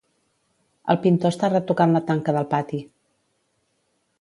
El pintor està retocant la tanca del pati